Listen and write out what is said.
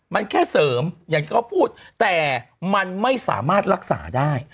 มันแค่เสริมแต่มันไม่สามารถรักษาได้